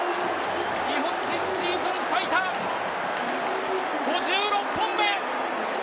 日本人シーズン最多５６本目。